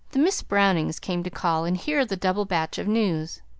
Miss Brownings came to call and hear the double batch of news.